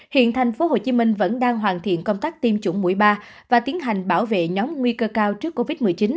hiện thành phố hồ chí minh vẫn đang hoàn thiện công tác tiêm chủng mũi ba và tiến hành bảo vệ nhóm nguy cơ cao trước covid một mươi chín